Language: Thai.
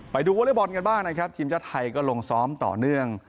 วอเล็กบอลกันบ้างนะครับทีมชาติไทยก็ลงซ้อมต่อเนื่อง